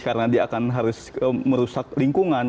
karena dia akan harus merusak lingkungan